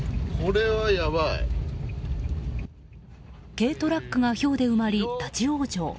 軽トラックがひょうで埋まり立ち往生。